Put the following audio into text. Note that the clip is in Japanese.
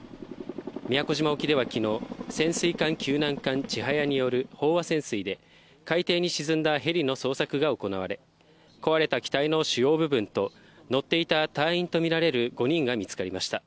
宮古島では昨日、潜水艦救難艦「ちはや」による飽和潜水で海底に沈んだヘリの捜索が行われ、壊れた機体の主要部分と乗っていた隊員と見られる５人が見つかりました。